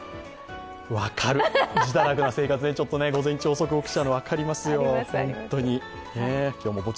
分かる、じだらくな生活で午前中遅く起きちゃうの分かりますよ。